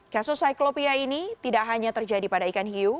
kasus cyclopia ini tidak hanya terjadi pada ikan hiu